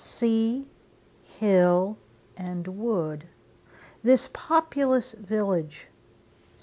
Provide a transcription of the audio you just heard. Sea, hill, and wood, This populous village!